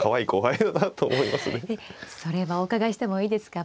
えっそれはお伺いしてもいいですか？